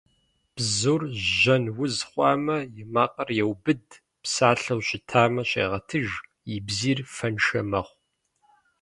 Бзур жьэн уз хъуамэ, и макъыр еубыд, псалъэу щытамэ, щегъэтыж, и бзийр фэншэ мэхъу.